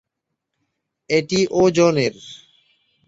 এটি ওজনের।